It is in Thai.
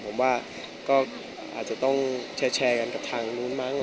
ผมว่าก็อาจจะต้องแชร์กันกับทางนู้นมั้ง